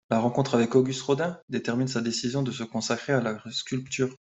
La rencontre avec Auguste Rodin détermine sa décision de se consacrer à la sculpture.